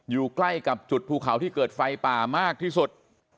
อยู่ใกล้กับจุดภูเขาที่เกิดไฟป่ามากที่สุด